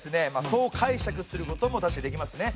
そう解釈することも確かにできますね。